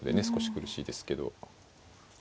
少し苦しいですけど。